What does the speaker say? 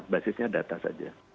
basisnya data saja